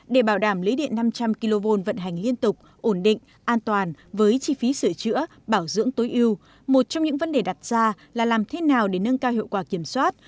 để bảo đảm lưới điện năm trăm linh kv vận hành liên tục ổn định an toàn với chi phí sửa chữa bảo dưỡng tối ưu một trong những vấn đề đặt ra là làm thế nào để nâng cao hiệu quả kiểm soát